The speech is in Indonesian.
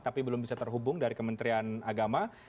tapi belum bisa terhubung dari kementerian agama